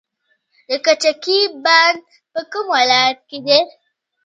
د کجکي بند په کوم ولایت کې دی؟